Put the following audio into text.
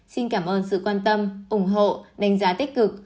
xin cảm ơn sự quan tâm ủng hộ đánh giá tích cực